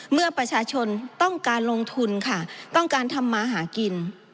เมื่อประชาชนต้องการลงทุนค่ะต้องการทำมาหากิน